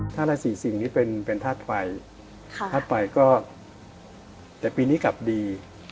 ถ้าเราสีสีงนี่เป็นทาสไฟแต่ปีนี้กลับดี